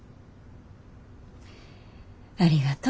ありがとう。